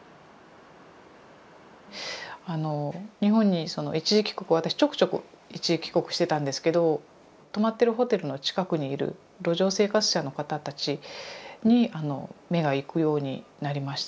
日本にその一時帰国私ちょくちょく一時帰国してたんですけど泊まってるホテルの近くにいる路上生活者の方たちに目が行くようになりました。